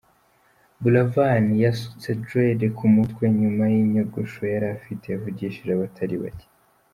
Buravan yasutse Dread ku mutwe nyuma y’inyogosho yarafite yavugishije abatari bake.